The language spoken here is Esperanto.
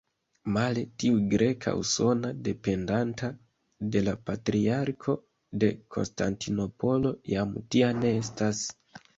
Male, tiu greka usona, dependanta de la Patriarko de Konstantinopolo jam tia ne estas.